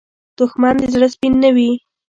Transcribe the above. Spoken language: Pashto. دښمن د زړه سپین نه وي